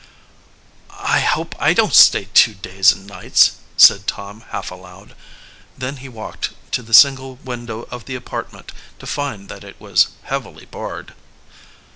"I hope I don't stay two days and nights," said Tom half aloud. Then he walked to the single window of the apartment to find that it was heavily barred.